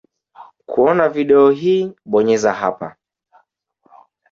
Kuona video hii bonyeza hapa.